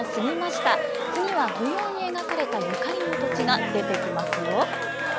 次は舞踊に描かれたゆかりの土地が出てきますよ。